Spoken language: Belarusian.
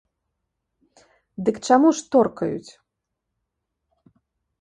Дык чаму ж торкаюць?